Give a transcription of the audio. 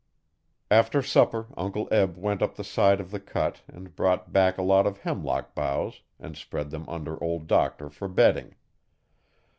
After supper Uncle Eb went up the side of the cut and brought back a lot of hemlock boughs and spread them under Old Doctor for bedding.